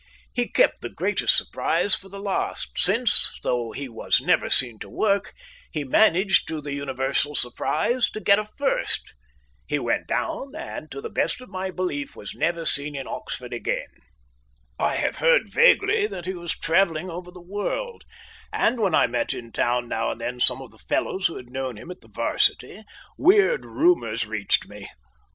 He kept the greatest surprise for the last, since, though he was never seen to work, he managed, to the universal surprise, to get a first. He went down, and to the best of my belief was never seen in Oxford again. I have heard vaguely that he was travelling over the world, and, when I met in town now and then some of the fellows who had known him at the "Varsity, weird rumours reached me.